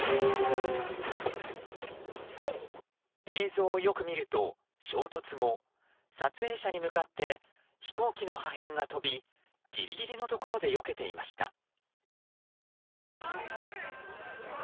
映像をよく見ると、衝突後撮影者に向かって飛行機の破片が飛びギリギリのところでよけていました。